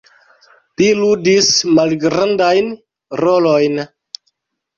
Li ludis malgrandajn rolojn.